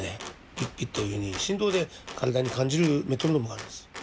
ピッピッというふうに振動で体に感じるメトロノームがあるんです。